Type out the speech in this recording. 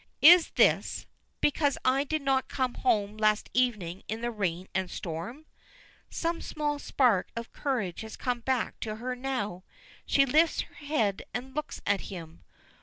"Is this because I did not come home last evening in the rain and storm?" Some small spark of courage has come back to her now. She lifts her head and looks at him.